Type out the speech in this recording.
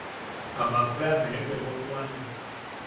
Amak bea ne tebotuane.